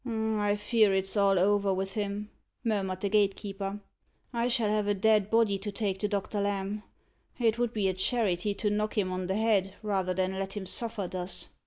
"I fear it's all over with him," murmured the gatekeeper; "I shall have a dead body to take to Doctor Lamb. It would be a charity to knock him on the head, rather than let him suffer thus.